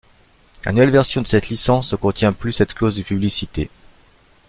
La nouvelle version de cette licence ne contient plus cette clause de publicité.